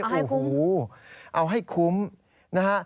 เอาให้คุ้มโอ้โฮเอาให้คุ้มนะฮะ